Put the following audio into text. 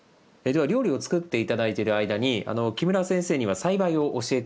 では料理を作って頂いている間に木村先生には栽培を教えて頂きたいと思います。